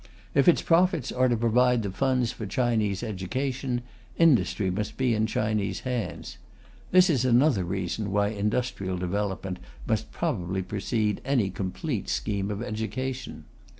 If its profits are to provide the funds for Chinese education, industry must be in Chinese hands. This is another reason why industrial development must probably precede any complete scheme of education.